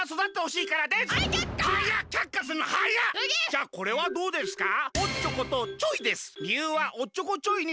じゃあこれはどうですか？